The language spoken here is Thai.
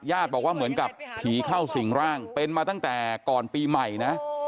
บอกว่าเหมือนกับผีเข้าสิ่งร่างเป็นมาตั้งแต่ก่อนปีใหม่นะ